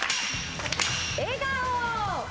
笑顔。